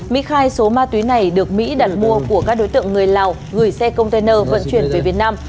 mỹ khai số ma túy này được mỹ đặt mua của các đối tượng người lào gửi xe container vận chuyển về việt nam